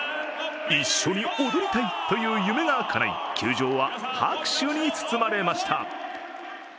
一緒に踊りたいという夢がかない球場は拍手に包まれました。